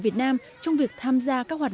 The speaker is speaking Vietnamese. vì vậy đó là một kế hoạch